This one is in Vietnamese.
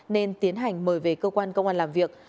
nên tiến hành mời về cơ quan công an làm việc